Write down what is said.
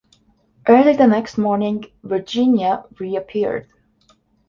Early the next morning "Virginia" reappeared.